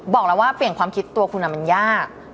บอกแล้วว่าเปลี่ยนความคิดตัวคุณมันยาก